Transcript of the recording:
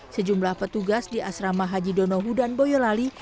sejumlah petugas di asrama haji donohu dan boyolali